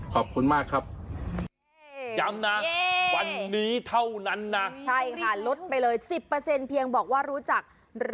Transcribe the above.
ขอบคุณมากครับ